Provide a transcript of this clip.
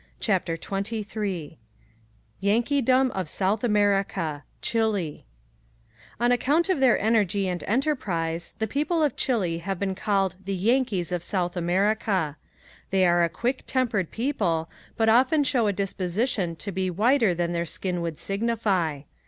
CHAPTER XXIII YANKEEDOM OF SOUTH AMERICA CHILE On account of their energy and enterprise the people of Chile have been called the Yankees of South America. They are a quick tempered people but often show a disposition to be whiter than their skin would signify.